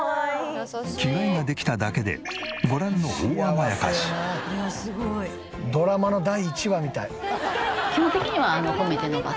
着替えができただけでご覧のドラマの第１話みたい。